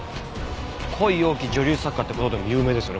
恋多き女流作家って事でも有名ですよね